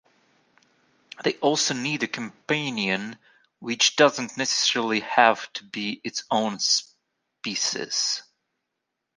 They also need a companion, which doesn't necessarily have to be its own species.